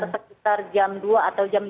sekitar jam dua atau jam dua